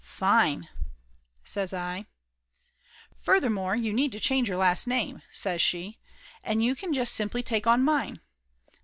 "Fine!" says I. "Furthermore, you need to change your last name," says she. "And you can just simply take on mine.